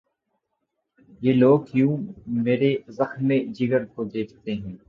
یہ لوگ کیوں مرے زخمِ جگر کو دیکھتے ہیں